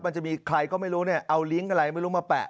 มันจะมีใครก็ไม่รู้เนี่ยเอาลิงก์อะไรไม่รู้มาแปะ